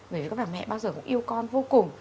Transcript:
bởi vì các bà mẹ bao giờ cũng yêu con vô cùng